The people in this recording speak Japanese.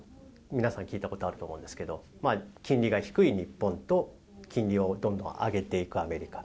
皆さん聞いたことがあると思うんですが金利が低い日本と、金利をどんどん上げていくアメリカ。